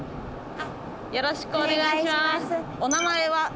よろしくお願いします。